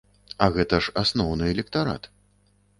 А гэта ж асноўны электарат.